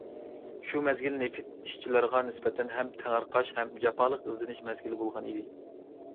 شۇ مەزگىل نېفىت ئىشچىلىرىغا نىسبەتەن ھەم تېڭىرقاش، ھەم جاپالىق ئىزدىنىش مەزگىلى بولغانىدى.